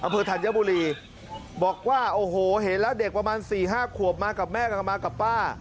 อำเภอธัญบุรีบอกว่าโอ้โหเห็นแล้วเด็กประมาณ๔๕ขวบมากับแม่กลับมากับป้า